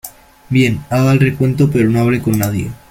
bien, haga el recuento , pero no hable con nadie.